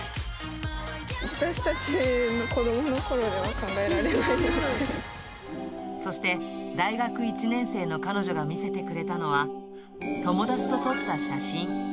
私たちの子どものころには考そして、大学１年生の彼女が見せてくれたのは、友達と撮った写真。